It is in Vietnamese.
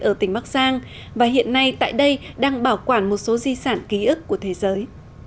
ở tỉnh bắc giang và hiện nay tại đây đang bảo quản một số di sản ký ức của thế giới